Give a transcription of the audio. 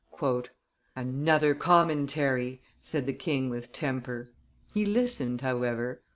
"Another commentary!" said the king with temper. He listened, however.